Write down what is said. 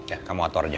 ya kamu atur aja